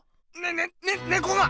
ねね猫が！